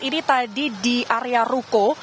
ini tadi di area ruko